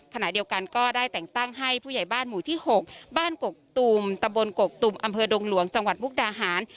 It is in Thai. ขณะเดียวกันก็ได้แต่งตั้งให้ผู้ใหญ่บ้านหมู่ที่๖บ้านกกตูมตะบนกกตุมอำเภอดงหลวงจังหวัดมุกดาหาร